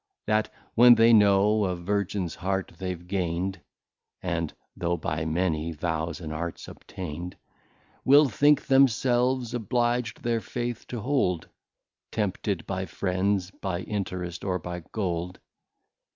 That when they know a Virgins Heart they've gain'd, (And though by many Vows and Arts obtain'd) Will think themselves oblig'd their Faith to hold Tempted by Friends, by Interest, or by Gold.